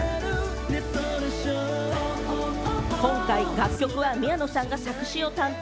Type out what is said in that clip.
今回、楽曲は宮野さんが作詞を担当。